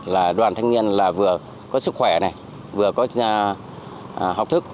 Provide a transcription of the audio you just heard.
là đoàn thanh niên là vừa có sức khỏe này vừa có học thức